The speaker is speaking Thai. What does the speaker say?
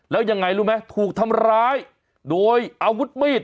แล้วยังไงรู้ไหมถูกทำร้ายโดยอาวุธมีด